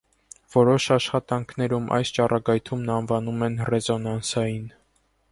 Որոշ աշխատանքներում այս ճառագայթումն անվանում են «ռեզոնանսային»։